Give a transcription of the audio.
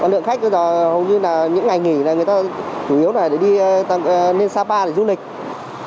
lượng khách bây giờ hầu như là những ngày nghỉ là người ta chủ yếu là để đi lên sapa để du lịch